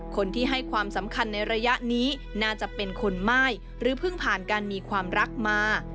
คนที่ให้ความสำคัญในระยะนี้น่าจะเป็นคนม่ายหรือเพิ่งผ่านการมีความรักมา